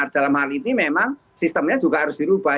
dalam hal ini memang sistemnya juga harus dirubah